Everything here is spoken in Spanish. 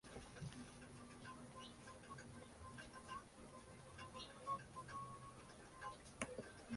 Se encuentran en África: cuenca del río Níger, Camerún y Nigeria.